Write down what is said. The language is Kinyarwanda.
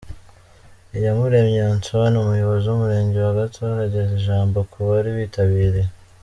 Iyamuremye Antoine umuyobozi w'umurenge wa Gatore ageza ijambo ku bari bitabiriye .